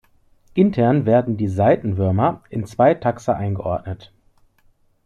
Intern werden die Saitenwürmer in zwei Taxa eingeordnet.